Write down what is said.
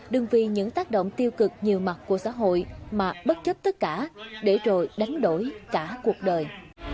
đừng vì những tác động tiêu cực nhiều mặt của xã hội mà bất chấp tất cả để rồi đánh đổi cả cuộc đời